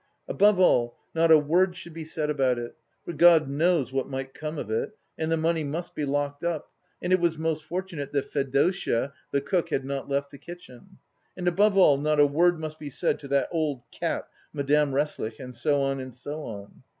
Above all, not a word should be said about it, for God knows what might come of it, and the money must be locked up, and it was most fortunate that Fedosya, the cook, had not left the kitchen. And above all not a word must be said to that old cat, Madame Resslich, and so on and so on.